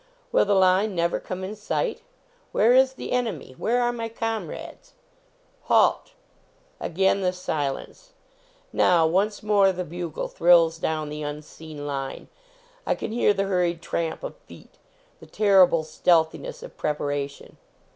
Will the line never come in sight? Where is the enemy? Where are my comrades? "Halt!" Again the silence. Now, once more the bugle thrills down the unseen line. I can hear the hurried tramp of feet; the terrible stealthiness of preparation.